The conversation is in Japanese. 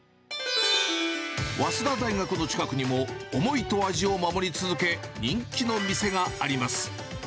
早稲田大学の近くにも、思いと味を守り続け、人気の店があります。